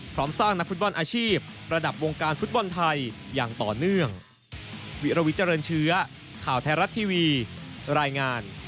พร้อมสร้างนักฟุตบอลอาชีพระดับวงการฟุตบอลไทยอย่างต่อเนื่อง